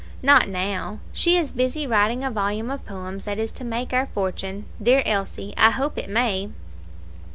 "Not now; she is busy writing a volume of poems that is to make our fortune. Dear Elsie! I hope it may."